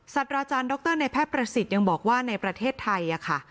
ตราอาจารย์ดรในแพทย์ประสิทธิ์ยังบอกว่าในประเทศไทยค่ะ